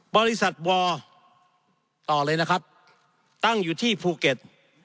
บริษัทวอร์ต่อเลยนะครับตั้งอยู่ที่ภูเก็ต